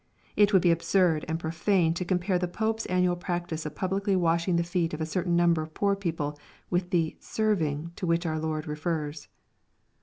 It would be absurd and profane to compaie the Pope's annual practice of publicly washing the feet of a certain number of poor people with the "serving" to which our Lord refers.